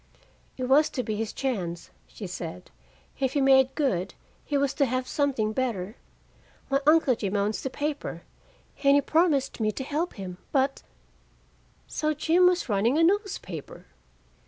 "It was to be his chance," she said. "If he made good, he was to have something better. My Uncle Jim owns the paper, and he promised me to help him. But " So Jim was running a newspaper!